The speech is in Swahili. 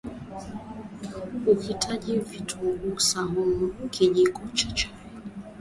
utahitaji Vitunguu swaumu kijiko cha chai